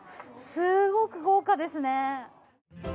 すごく豪華ですね。